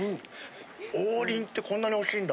王林ってこんなにおいしいんだ。